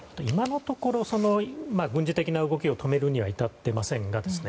今のところ軍事的な動きを止めるには至っていません。